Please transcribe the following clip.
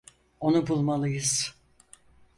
Onu bulmalıyız.